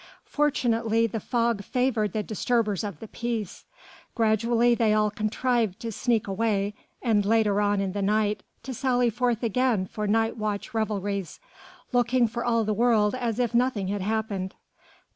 Fortunately the fog favoured the disturbers of the peace. Gradually they all contrived to sneak away, and later on in the night to sally forth again for watch night revelries, looking for all the world as if nothing had happened.